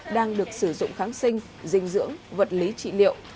đang được sử dụng kháng sinh dinh dưỡng vật lý trị liệu